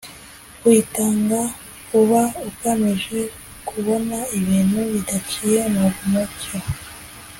. Uyitanga aba agamije kubona ibintu bidaciye mu mucyo,